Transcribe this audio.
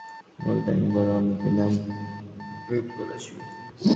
তাই হাতিদের একটির পরিচিত ছিল মুলতানি বলে, অন্যটির নাম ছিল ভীমপলাশি।